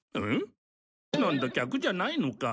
なんだ客じゃないのか。